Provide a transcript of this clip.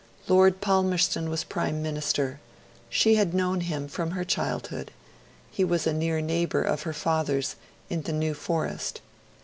Lord Palmerston was Prime Minister; she had known him from her childhood; he was a near neighbour of her father's in the New Forest.